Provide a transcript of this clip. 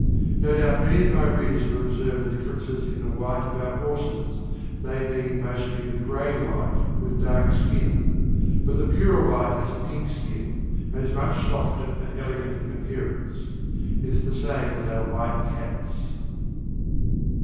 No doubt many of my readers have observed the differences in the white of our horses, they mostly being the gray white, with dark skin; but the purer white has a pink skin, and is much softer and elegant in appearance. It is the same with our white cats.